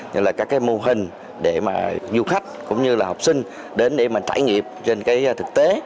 như là các cái mô hình để mà du khách cũng như là học sinh đến để mình trải nghiệp trên cái thực tế